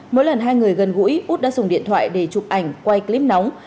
mỗi lần hai người gần gũi út đã dùng điện thoại để chụp ảnh quay clip nóng